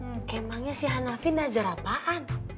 mil emangnya si hanafi nazar apaan